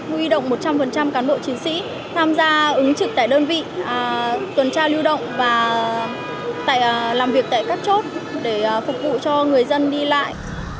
huy động một trăm linh cán bộ chiến sĩ tham gia ứng trực tại đơn vị tuần tra lưu động và làm việc tại các chốt để phục vụ cho người dân đi lại